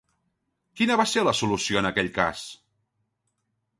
Quina va ser la solució en aquell cas?